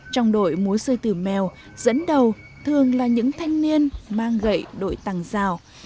trong đội múa sư tử mèo dẫn đầu thường là những thanh niên mang gậy đội tăng rào